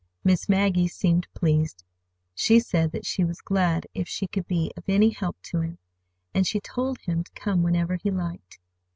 Miss Maggie seemed pleased. She said that she was glad if she could be of any help to him, and she told him to come whenever he liked.